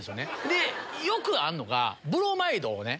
でよくあるのがブロマイドをね。